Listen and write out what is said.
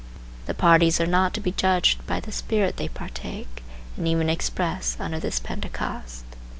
The parties are not to be judged by the spirit they partake and even express under this Pentecost.